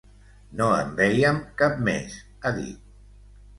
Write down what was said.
No en veiem cap més, ha dit.